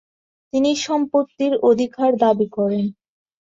তিনি সম্পত্তির অধিকার দাবী করেন।